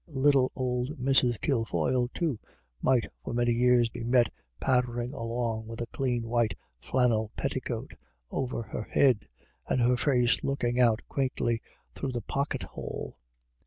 Little old Mrs. Kilfoyle, too, might for many years be met pattering along with a clean white flannel petticoat over her head, and her face looking out quaintly through the pocket hole.